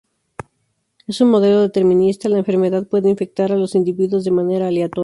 En un modelo determinista la enfermedad puede infectar a los individuos de manera aleatoria.